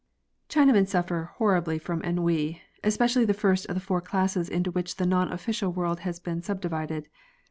Chinamen suffer horribly frora ennui — especially the first of the four classes into which the non official world has been subdivided.